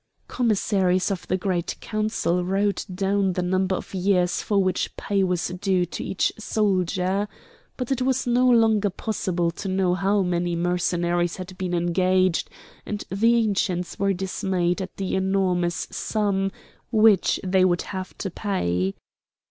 Commissaries of the Great Council wrote down the number of years for which pay was due to each soldier. But it was no longer possible to know how many Mercenaries had been engaged, and the Ancients were dismayed at the enormous sum which they would have to pay.